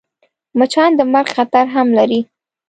مچان د مرګ خطر هم لري